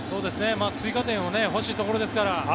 追加点を欲しいところですから。